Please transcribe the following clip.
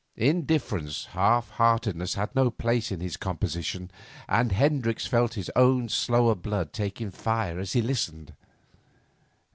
Indifference, half heartedness had no place in his composition. And Hendricks felt his own slower blood take fire as he listened.